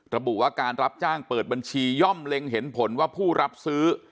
ระบุว่าการรับจ้างเปิดบัญชีย่อมเล็งเห็นผลว่าผู้รับซื้อ